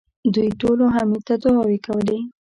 دوی ټولو حميد ته دعاوې کولې.